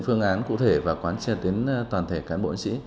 phương án cụ thể và quan trọng đến toàn thể cán bộ an sĩ